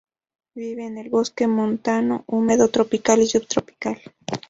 Vive en el bosque montano húmedo tropical y subtropical.